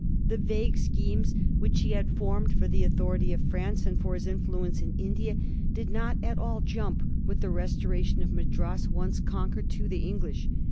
The vague schemes which he had formed for the authority of France, and for his influence in India, did not at all jump with the restoration of Madras, once conquered, to the English.